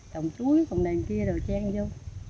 trồng chuối trồng đèn kia đồ trang vô